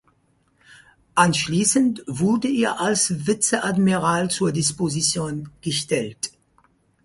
Anschließend wurde er als Vizeadmiral zur Disposition gestellt.